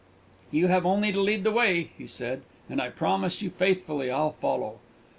"You have only to lead the way," he said, "and I promise you faithfully I'll follow."